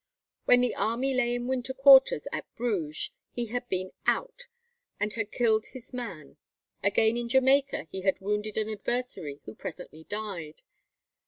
When the army lay in winter quarters at Bruges, he had been "out," and had killed his man; again in Jamaica he had wounded an adversary who presently died.